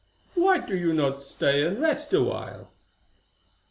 "Why do you not stay and rest awhile?"